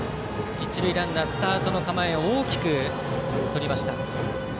一塁ランナー、スタートの構えを大きく取りました。